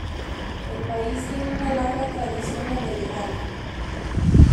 El país tiene una larga tradición en el rally.